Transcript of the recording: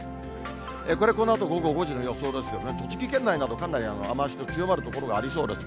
これ、このあと午後５時の予想ですけれども、栃木県内など、かなり雨足の強まる所がありそうです。